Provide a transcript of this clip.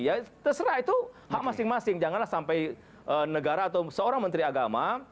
ya terserah itu hak masing masing janganlah sampai negara atau seorang menteri agama